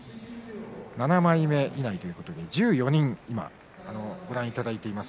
７枚目以内ということで１４人ご覧いただいています。